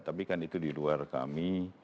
tapi kan itu di luar kami